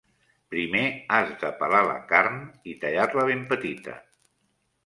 Primer has de pelar la carn i tallar-la ben petita.